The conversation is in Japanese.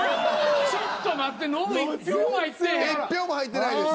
ちょっと待って１票も入ってないです。